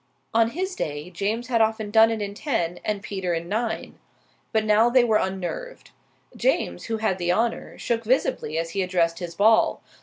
On his day, James had often done it in ten and Peter in nine; but now they were unnerved. James, who had the honour, shook visibly as he addressed his ball.